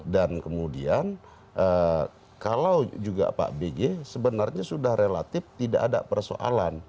dan kemudian kalau juga pak bg sebenarnya sudah relatif tidak ada persoalan